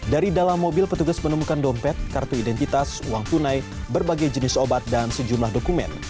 dari dalam mobil petugas menemukan dompet kartu identitas uang tunai berbagai jenis obat dan sejumlah dokumen